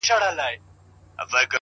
په خبرو کي خبري پيدا کيږي _